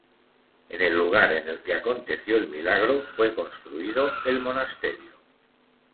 En el lugar en el que aconteció el milagro fue construido el monasterio.